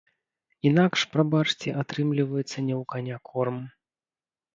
Інакш, прабачце, атрымліваецца не ў каня корм.